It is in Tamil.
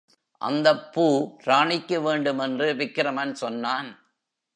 அந்தப் பூ ராணிக்கு வேண்டும் என்று விக்கிரமன் சொன்னான்.